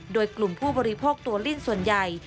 โดยกลุ่มผู้บริโภคตัวลิ้นส่วนใหญ่